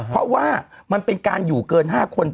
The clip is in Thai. เพราะว่ามันเป็นการอยู่เกิน๕คน